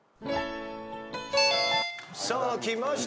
さあきました